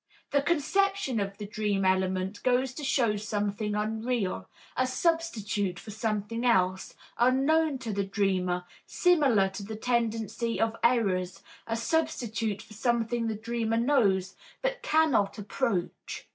The conception of the dream element goes to show something unreal, a substitute for something else, unknown to the dreamer, similar to the tendency of errors, a substitute for something the dreamer knows but cannot approach.